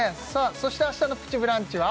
そして明日の「プチブランチ」は？